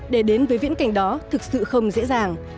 để đến với viễn cảnh đó thực sự không dễ dàng